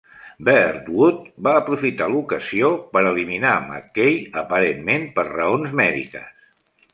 Birdwood va aprofitar l'ocasió per eliminar McCay, aparentment per raons mèdiques.